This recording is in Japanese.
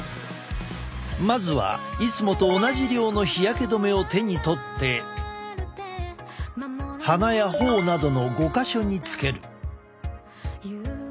まずはいつもと同じ量の日焼け止めを手に取って鼻や頬などの５か所につける。